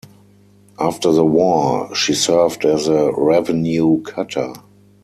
After the war, she served as a revenue cutter.